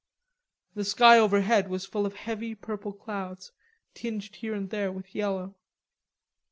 The sky overhead was full of heavy purple clouds, tinged here and there with yellow.